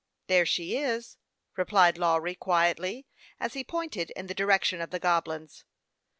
" There she is," replied Lawry, quietly, as he pointed in the direction of the Goblins.